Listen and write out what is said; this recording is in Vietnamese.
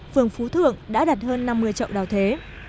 phường phú thượng đã đặt hơn năm mươi chậu đào thế